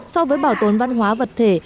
so với bảo tồn văn hóa vật thể